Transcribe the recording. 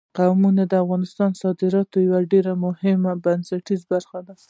قومونه د افغانستان د صادراتو یوه ډېره مهمه او بنسټیزه برخه ده.